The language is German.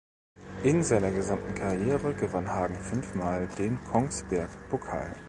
In seiner gesamten Karriere gewann Hagen fünfmal den Kongsberg-Pokal.